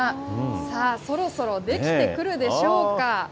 さあ、そろそろ出来てくるでしょうか。